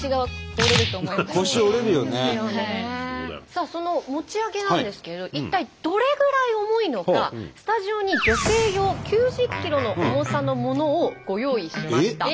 さあその餅上げなんですけれどスタジオに女性用９０ｋｇの重さのものをご用意しました。